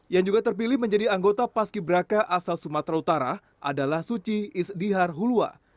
yang juga terpilih menjadi anggota paski braka asal sumatera utara adalah suci isdihar hulua